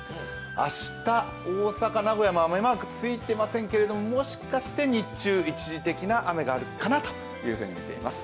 明日大阪、名古屋雨マークついてませんけどもしかして日中、一時的な雨があるかなというふうに見ています。